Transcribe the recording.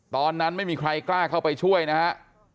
ตอนนั้นไม่มีใครกล้าเข้าไปช่วยนะฮะ